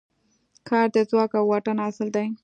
کار د ځواک او واټن حاصل دی.